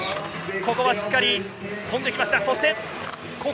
ここはしっかり飛んできました。